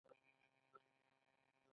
د هغه ښه ژوند کول مو له پامه غورځولي.